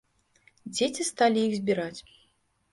Дзеці сталі іх збіраць.